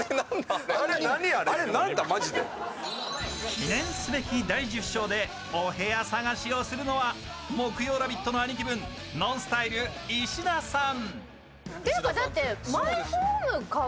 記念すべき第１０章でお部屋探しをするのは木曜ラヴィット！の兄貴分、ＮＯＮＳＴＹＬＥ・石田さん。